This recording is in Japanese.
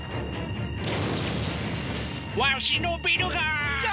わしのビルが！社長！